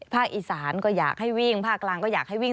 อีสานก็อยากให้วิ่งภาคกลางก็อยากให้วิ่ง